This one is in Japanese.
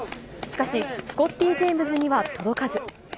しかし、スコッティ・ジェームズには届かず。